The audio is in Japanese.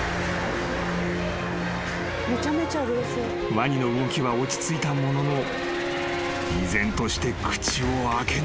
［ワニの動きは落ち着いたものの依然として口を開けない］